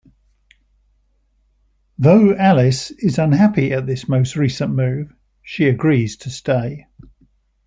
Though Alice is unhappy at this most recent move, she agrees to stay.